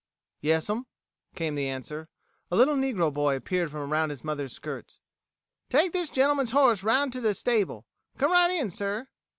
"Yas'm," came the answer. A little negro boy appeared from around his mother's skirts. "Take this gentleman's horse 'round to de stable. Come right in, sir."